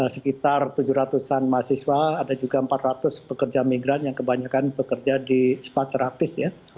sekitar tujuh ratus an mahasiswa ada juga empat ratus pekerja migran yang kebanyakan bekerja di spa terapis ya